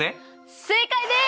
正解です！